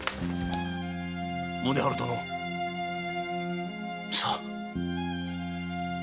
宗春殿。さあ！